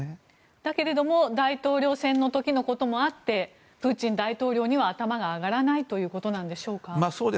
だけれども大統領選の時のこともあってプーチン大統領には頭が上がらないということなんでしょうか。